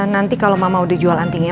nanti kalo mama udah jual andinnya